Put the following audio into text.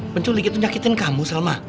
penculik gitu nyakitin kamu salma